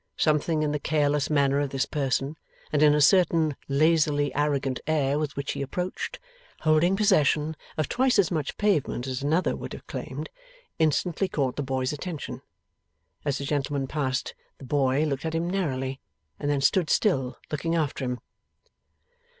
Something in the careless manner of this person, and in a certain lazily arrogant air with which he approached, holding possession of twice as much pavement as another would have claimed, instantly caught the boy's attention. As the gentleman passed the boy looked at him narrowly, and then stood still, looking after him.